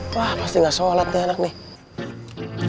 wah pasti gak sholat nih anaknya